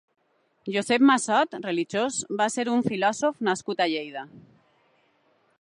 Josep Massot (religiós) va ser un filòsof nascut a Lleida.